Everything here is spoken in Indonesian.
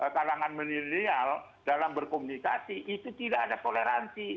kalangan manajerial dalam berkomunikasi itu tidak ada toleransi